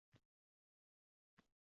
degan o‘y bezovta qilardi.